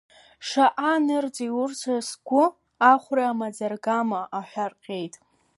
Шаҟа анырҵеи урҭ са сгәы ахәра, маӡа-аргама аҳәа рҟьеит.